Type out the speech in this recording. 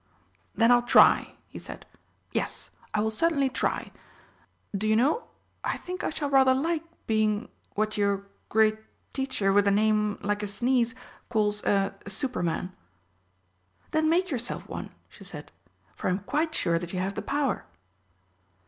"Then I'll try," he said. "Yes, I will certainly try. Do you know, I think I shall rather like being what your great teacher with a name like a sneeze calls a Superman." "Then make yourself one," she said, "for I am quite sure that you have the power."